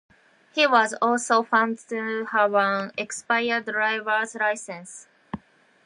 He was also found to have an expired drivers license.